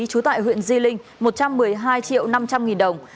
trú tại huyện di linh một trăm một mươi hai triệu năm trăm linh nghìn đồng